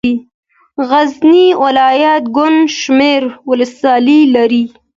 غزني ولايت ګڼ شمېر ولسوالۍ لري.